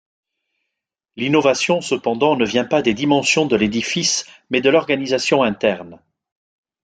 L'innovation cependant ne vient pas des dimensions de l'édifice mais de l'organisation interne.